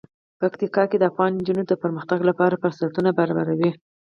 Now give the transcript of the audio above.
پکتیکا د افغان نجونو د پرمختګ لپاره فرصتونه برابروي.